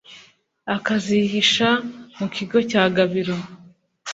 akazihisha mu kigo cya Gabiro